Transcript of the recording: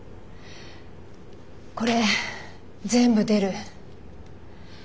これ全部出る。